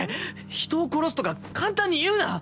人を殺すとか簡単に言うな！